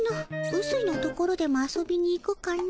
うすいのところでも遊びに行くかの。